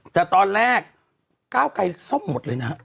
แต่ตอนแรก๙ไปทร่องหมดเลยนะ